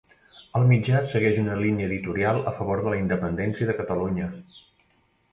El mitjà segueix una línia editorial a favor de la independència de Catalunya.